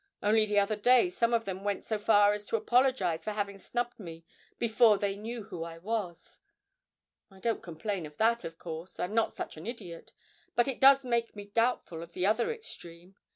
Only the other day some of them went so far as to apologise for having snubbed me "before they knew who I was." I don't complain of that, of course I'm not such an idiot; but it does make me doubtful of the other extreme.